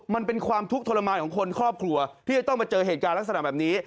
มันเป็นความทุกข์ทรมานของคนครอบครัวที่จะต้องมาเจอเหตุการณ์ลักษณะแบบนี้